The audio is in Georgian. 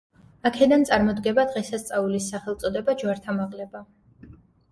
აქედან წარმოდგება დღესასწაულის სახელწოდება „ჯვართამაღლება“.